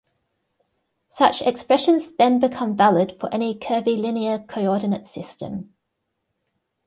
Such expressions then become valid for any curvilinear coordinate system.